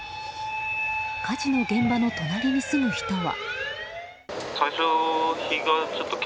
火事の現場の隣に住む人は。